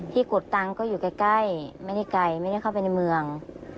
กดตังค์ก็อยู่ใกล้ไม่ได้ไกลไม่ได้เข้าไปในเมือง